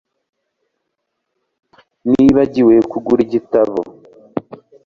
Nibagiwe kugura igitabo